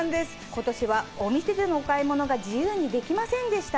今年はお店でのお買い物が自由にできませんでした。